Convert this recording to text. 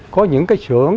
có những cái sưởng